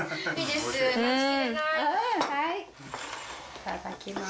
いただきます。